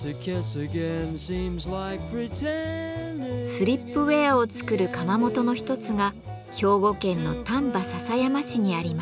スリップウェアを作る窯元の一つが兵庫県の丹波篠山市にあります。